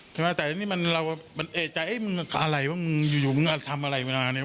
ถึงมาแถวนี้มันเอกใจเอ้ยมึงอะไรวะมึงอยู่ทำอะไรกันมาเนี่ย